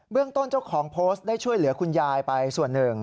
เรื่องต้นเจ้าของโพสต์ได้ช่วยเหลือคุณยายไปส่วนหนึ่ง